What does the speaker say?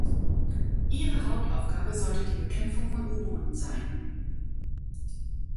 Ihre Hauptaufgabe sollte die Bekämpfung von U-Booten sein.